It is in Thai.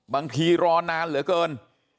บางทีรอนานเหลือเกิน